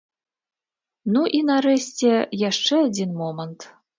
Ну і, нарэшце, яшчэ адзін момант.